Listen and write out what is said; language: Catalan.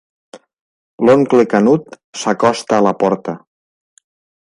L'oncle Canut s'acosta a la porta.